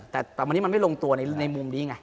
แต่ค่อนข้างนี้มันไม่ร่งตัวในมุมดีไง